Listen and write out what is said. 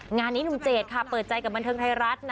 งานนี้หนุ่มเจดค่ะเปิดใจกับบันเทิงไทยรัฐนะ